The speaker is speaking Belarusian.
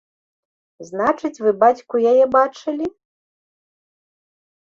Значыць, вы бацьку яе бачылі?